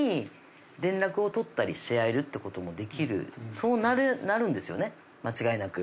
そうなるんですよね間違いなく。